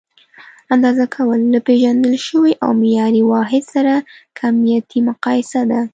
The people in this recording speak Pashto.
اندازه کول: له پېژندل شوي او معیاري واحد سره کمیتي مقایسه ده.